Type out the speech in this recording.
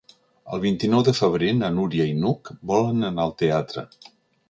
El vint-i-nou de febrer na Núria i n'Hug volen anar al teatre.